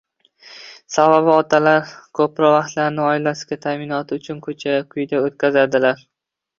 Sababi, otalar ko‘proq vaqtlarini oilasining ta'minoti uchun ko‘cha-kuyda o‘tkazadilar